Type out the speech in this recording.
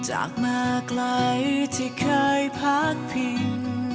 จากเมื่อกลายที่เคยพักเพียง